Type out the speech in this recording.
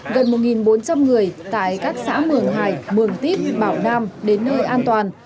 gần một bốn trăm linh người tại các xã mường hải mường tít bảo nam đến nơi an toàn